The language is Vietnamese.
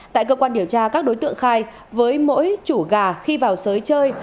tại cơ quan điều tra các đối tượng khai với mỗi chủ gà khi vào giới chơi